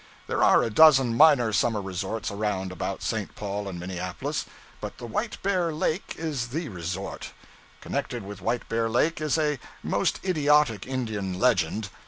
There are a dozen minor summer resorts around about St. Paul and Minneapolis, but the White bear Lake is the resort. Connected with White bear Lake is a most idiotic Indian legend.